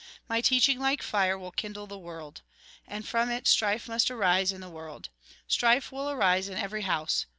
My teaching, like fire, will kindle the world. And from it strife must arise in the world. Strife will arise in every house.